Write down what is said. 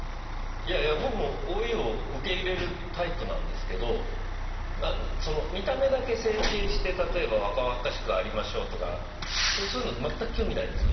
いやいや僕も老いを受け入れるタイプなんですけど見た目だけ整形して例えば若々しくありましょうとかそういうの全く興味ないんですよ。